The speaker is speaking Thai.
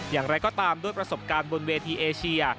อย่างไรก็ตามด้วยประสบการณ์บนเวทีเอเชีย